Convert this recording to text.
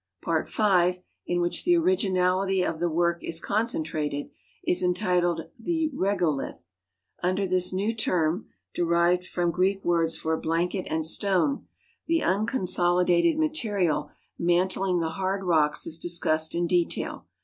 Part V, in which the originality of the work is concentrated, is entitled "The Regolith;" under this new term (derived from Greek words for blanket and stone) the unconsolidated material mantling the hard rocks is discussed in detail.